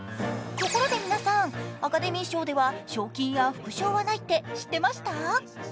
ところで皆さん、アカデミー賞では賞金や副賞はないって知ってました？